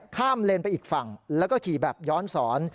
เลนไปอีกฝั่งแล้วก็ขี่แบบย้อนสอน